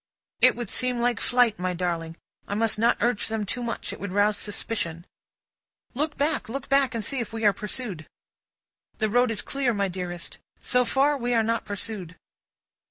"It would seem like flight, my darling. I must not urge them too much; it would rouse suspicion." "Look back, look back, and see if we are pursued!" "The road is clear, my dearest. So far, we are not pursued."